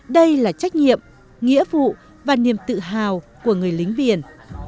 đây là trách nhiệm nghĩa vụ và niềm tự hào của người lính việt